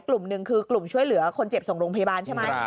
กลุ่มหนึ่งคือกลุ่มช่วยเหลือคนเจ็บส่งโรงพยาบาลใช่ไหม